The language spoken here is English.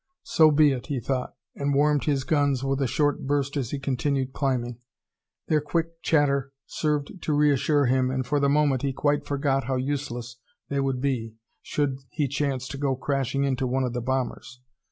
So be it, he thought, and warmed his guns with a short burst as he continued climbing. Their quick chatter served to reassure him and for the moment he quite forgot how useless they would be should he chance to go crashing into one of the bombers.